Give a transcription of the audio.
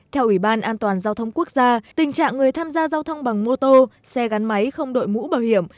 theo ủy ban an toàn giao thông quốc gia tình trạng người tham gia giao thông bằng mô tô xe gắn máy không đội mũ bảo hiểm